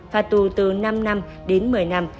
phạt tù từ năm năm đến một mươi năm